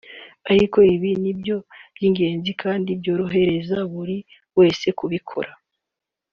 ariko ibi nibyo by’ingenzi kandi byoroheye buri wese kubikora